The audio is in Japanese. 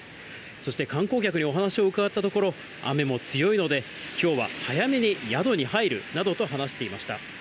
そして観光客にお話を伺ったところ、雨も強いので、きょうは早めに宿に入るなどと話していました。